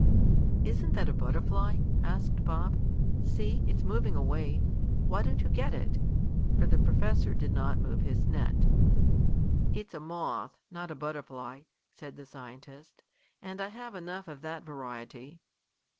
"Isn't that a butterfly?" asked Bob. "See, it's moving away. Why don't you get it?" for the professor did not move his net. "It's a moth, not a butterfly," said the scientist, "and I have enough of that variety."